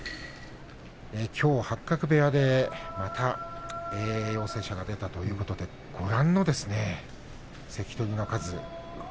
きょう八角部屋でまた陽性者が出たということでご覧のような関取の数。